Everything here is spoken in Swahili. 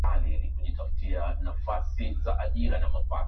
Ngozi kuwa na madoadoa au mabaka magumu